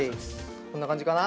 こんな感じかな？